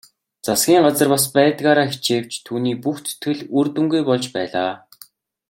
Засгийн газар бас байдгаараа хичээвч түүний бүх зүтгэл үр дүнгүй болж байлаа.